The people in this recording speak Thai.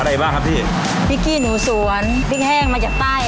อะไรบ้างครับพี่พริกกี้หนูสวนพริกแห้งมาจากใต้